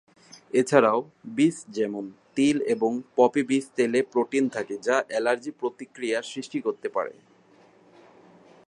এছাড়াও, বীজ যেমন, তিল এবং পপি বীজ তেলে প্রোটিন থাকে, যা এলার্জি প্রতিক্রিয়া সৃষ্টি করতে পারে।